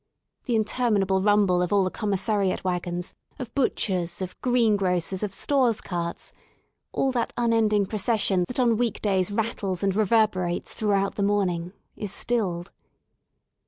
The interminable rumble of all the commissariat wagons, of butchers*, of green grocers', of stores' carts, all that unending procession that on week days rattles and reverberates throughout the morning, is stilled.